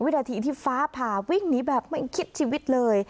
นาทีที่ฟ้าผ่าวิ่งหนีแบบไม่คิดชีวิตเลย